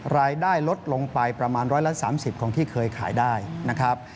รายได้ลดลงไปประมาณ๑๓๐ของที่เคยขายได้นะครับ